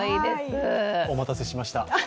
お待たせしました。